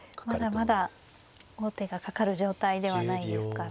まだまだ王手がかかる状態ではないですから。